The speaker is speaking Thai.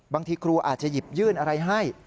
บางทีครูอาจจะหยิบยื่นอะไรให้